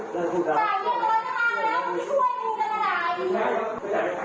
ใช่ค่ะล้าอ้าค่ะ